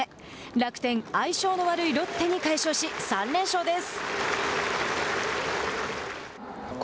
楽天、相性の悪いロッテに快勝し３連勝です。